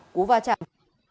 cú va chạm